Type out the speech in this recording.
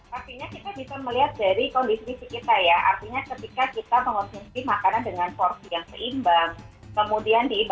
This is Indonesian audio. pastinya kita bisa melihat dari kondisi kita ya